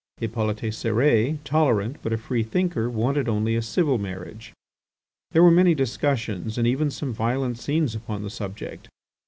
Hippolyte Cérès, tolerant but a free thinker, wanted only a civil marriage. There were many discussions and even some violent scenes upon the subject.